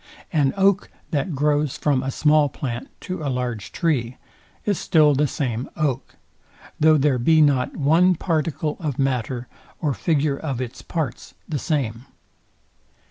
An oak, that grows from a small plant to a large tree, is still the same oak; though there be not one particle of matter, or figure of its parts the same.